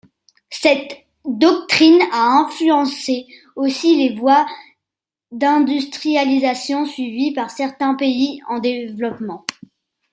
Cette doctrine a influencé aussi les voies d'industrialisation suivies par certains pays en développement.